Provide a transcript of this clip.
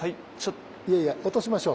いやいや落としましょう。